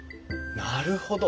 なるほど。